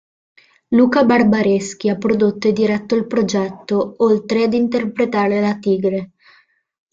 Luca Barbareschi ha prodotto e diretto il progetto, oltre ad interpretare la tigre.